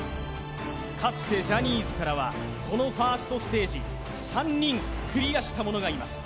かつてジャニーズからはこのファーストステージ３人クリアした者がいます